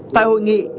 tại hội nghị